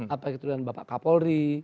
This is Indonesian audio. apalagi dengan bapak kapolri